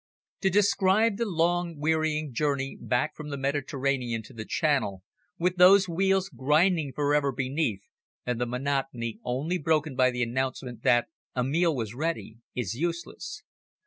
To describe the long, wearying journey back from the Mediterranean to the Channel, with those wheels grinding for ever beneath, and the monotony only broken by the announcement that a meal was ready, is useless.